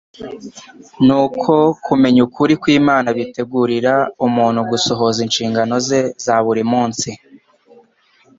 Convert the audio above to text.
n'uko kumenya ukuri kw'Imana bitegurira umuntu gusohoza inshingano ze za buri munsi.